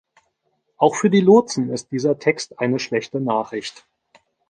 Auch für die Lotsen ist dieser Text eine schlechte Nachricht.